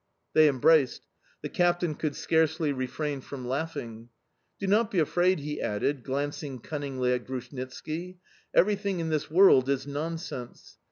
They embraced; the captain could scarcely refrain from laughing. "Do not be afraid," he added, glancing cunningly at Grushnitski; "everything in this world is nonsense...